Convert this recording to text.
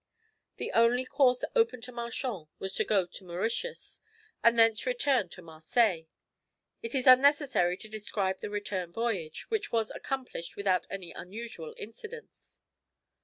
The only course open to Marchand was to go to Mauritius, and thence return to Marseilles. It is unnecessary to describe the return voyage, which was accomplished without any unusual incidents.